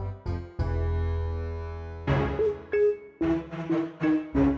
tidak mau bawa atau tidak punya